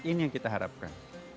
ini yang kita harapkan